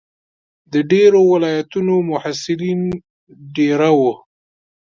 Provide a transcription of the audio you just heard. د ډېرو ولایتونو محصلین دېره وو.